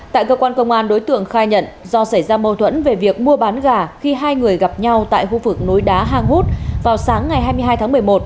tại cơ quan công an đối tượng khai nhận do xảy ra mâu thuẫn về việc mua bán gà khi hai người gặp nhau tại khu vực núi đá hang hút vào sáng ngày hai mươi hai tháng một mươi một